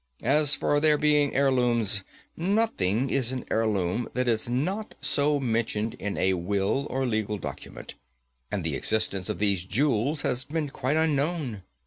As for their being heirlooms, nothing is an heirloom that is not so mentioned in a will or legal document, and the existence of these jewels has been quite unknown.